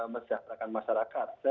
menjadakan masyarakat saya